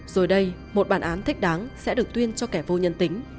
rồi đây một bản án thích đáng sẽ được tuyên cho kẻ vô nhân tính